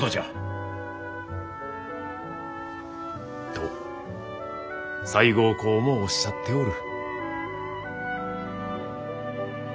と西郷公もおっしゃっておる。